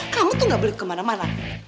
kamu tuh gak boleh kemana mana